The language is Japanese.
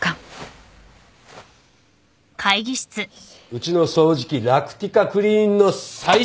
うちの掃除機ラクティカクリーンの最新モデル。